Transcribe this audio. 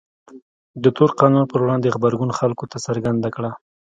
د تور قانون پر وړاندې غبرګون خلکو ته څرګنده کړه.